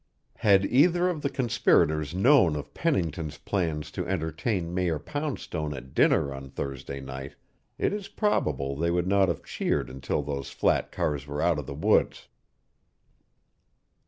Had either of the conspirators known of Pennington's plans to entertain Mayor Poundstone at dinner on Thursday night, it is probable they would not have cheered until those flat cars were out of the woods.